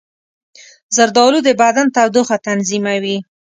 زردالو د بدن تودوخه تنظیموي.